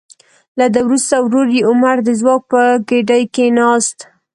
له ده وروسته ورور یې عمر د ځواک په ګدۍ کیناست.